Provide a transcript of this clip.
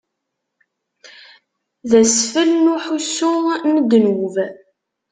D asfel n uḥussu n ddnub.